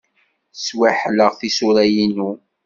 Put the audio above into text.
Sweḥleɣ tisura-inu.